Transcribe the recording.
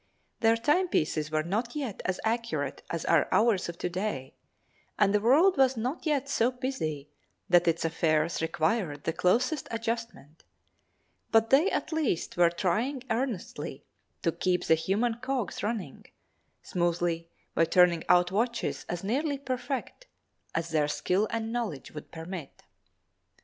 Their timepieces were not yet as accurate as are ours of to day, and the world was not yet so busy that its affairs required the closest adjustment, but they at least were trying earnestly to keep the human cogs running smoothly by turning out watches as nearly perfect as their skill and knowledge would permit.